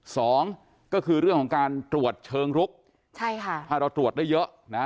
สองก็คือเรื่องของการตรวจเชิงลุกใช่ค่ะถ้าเราตรวจได้เยอะนะ